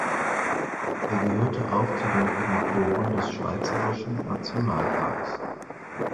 Er gehörte auch zu den Promotoren des Schweizerischen Nationalparks.